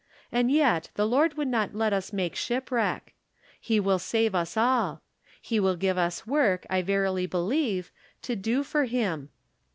And yet the Lord would not let us make shipwreck. He will save us all. He will give us work, I verily believe, to do for him.